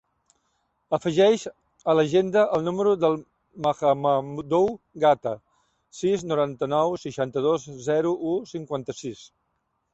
Afegeix a l'agenda el número del Mahamadou Gata: sis, noranta-nou, seixanta-dos, zero, u, cinquanta-sis.